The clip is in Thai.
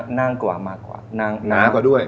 หน้ากว่ามากกว่าหน้ากว่าด้วย